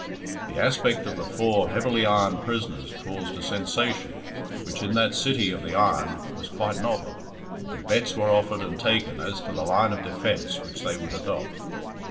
The aspect of the four heavily ironed prisoners caused a sensation which, in that city of the ironed, was quite novel, and bets were offered and taken as to the line of defence which they would adopt.